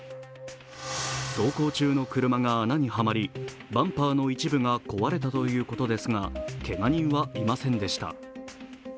走行中の車が穴にはまりバンパーの一部が壊れたということですがけが人はいませんでした。